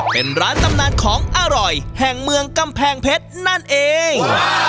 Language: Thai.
เป็นร้านตำนานของอร่อยแห่งเมืองกำแพงเพชรนั่นเอง